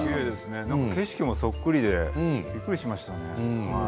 景色もそっくりでびっくりしました。